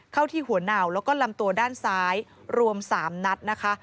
เข้าที่หัวเน่าแล้วก็ลำตัวด้านซ้ายรวม๓นัดนะคะ